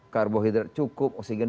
karbohidrat cukup oksigen